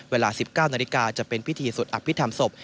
เวลา๑๙นาฬิกาจะเป็นพิธีสวดอภิษฐรรมศพ